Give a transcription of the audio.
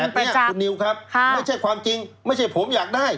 อันนี้คุณนิวครับไม่ใช่ความจริงไม่ใช่ผมอยากได้